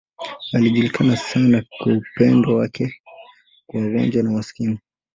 Alijulikana sana kwa upendo wake kwa wagonjwa na maskini.